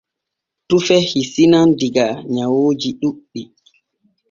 Tufe hisinan diga nyawuuji ɗuuɗɗi.